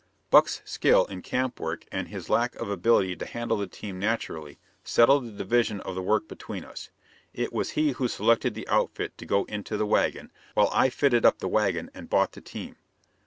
Buck's skill in camp work and his lack of ability to handle the team naturally settled the division of the work between us. It was he who selected the outfit to go into the wagon, while I fitted up the wagon and bought the team.